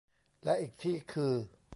และอีกที่คือ